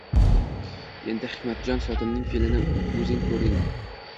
Endi, Hikmatjon, Sotimning feʼlini oʻzing koʻrding.